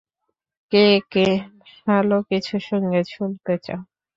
কে কে ভাল কিছু সঙ্গীত শুনতে চাও?